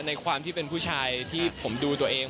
ในความที่เป็นผู้ชายที่ผมดูตัวเอง